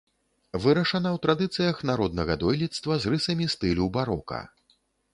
Вырашана ў традыцыях народнага дойлідства з рысамі стылю барока.